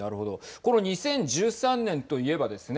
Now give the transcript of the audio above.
この２０１３年と言えばですね